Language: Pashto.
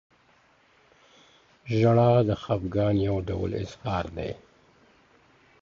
• ژړا د خفګان یو ډول اظهار دی.